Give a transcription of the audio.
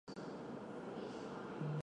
他为一个成年人重生的图画而挣扎。